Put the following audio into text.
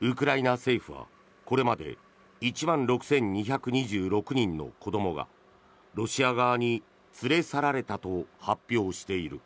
ウクライナ政府はこれまで１万６２２６人の子どもがロシア側に連れ去られたと発表している。